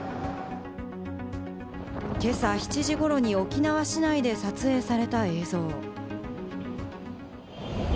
今朝７時頃に沖縄市内で撮影された映像。